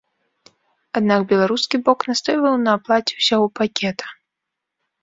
Аднак беларускі бок настойваў на аплаце ўсяго пакета.